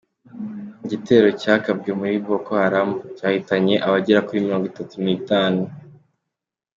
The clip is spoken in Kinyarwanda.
Igitero cyagabwe kuri Boko Haramu cyahitanye abagera kuri Mirongo Itatu nitanu